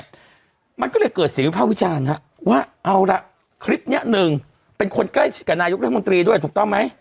คถย์กู้มันก็เลยเกิดเสียญวิพาทวิชาวันนี้ครับว่าเอาล่ะคลิปเนี่ยหนึ่งเป็นคนกล้ายกับนายกรัฐมนตรีด้วยถูกต้องมั้ย